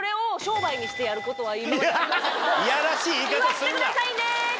祝ってくださいね！